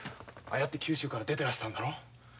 やって九州から出てらしたんだろ。